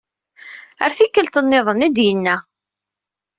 Ar tikkelt niḍen, ay d-yenna.